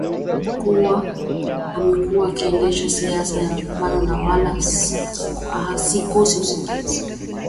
kuwa amekuwa akiendesha siasa za mapambanoNa wala sikosi usingizi Nilale kituo kikuu cha